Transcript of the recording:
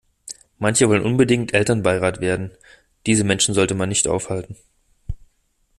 Manche wollen unbedingt Elternbeirat werden, diese Menschen sollte man nicht aufhalten.